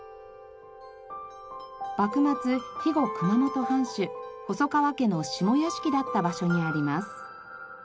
幕末肥後熊本藩主細川家の下屋敷だった場所にあります。